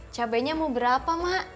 cabainya mau berapa mak